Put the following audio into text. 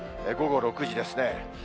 午後６時ですね。